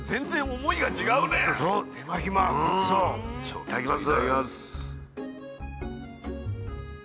いただきます。